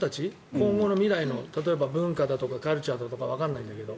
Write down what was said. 今後の未来の例えば文化だとかカルチャーだとかわからないけど。